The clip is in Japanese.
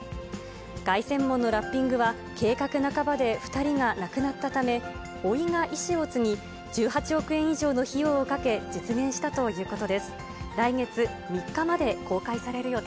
凱旋門のラッピングは、計画なかばで２人が亡くなったため、おいが遺志を継ぎ、１８億円以上の費用をかけ実現したということです。